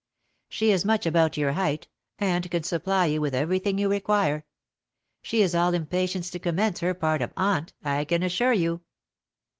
She is much about your height, and can supply you with everything you require. She is all impatience to commence her part of 'aunt,' I can assure you."